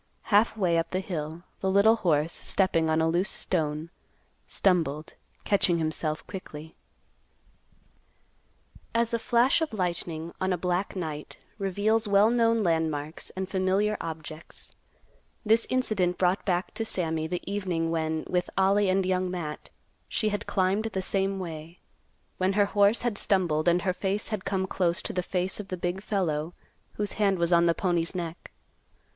Half way up the hill, the little horse, stepping on a loose stone, stumbled, catching himself quickly. As a flash of lightning on a black night reveals well known landmarks and familiar objects, this incident brought back to Sammy the evening when, with Ollie and Young Matt, she had climbed the same way; when her horse had stumbled and her face had come close to the face of the big fellow whose hand was on the pony's neck.